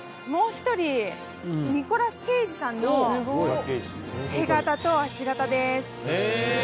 もう一人ニコラス・ケイジさんの手形と足形です。